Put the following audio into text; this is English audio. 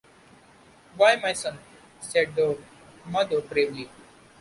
“Why, my son!” said the mother bravely.